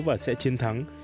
và chúng con sẽ chiến thắng